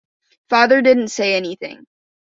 Father didn't say anything.